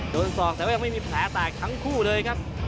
ศอกแต่ว่ายังไม่มีแผลแตกทั้งคู่เลยครับ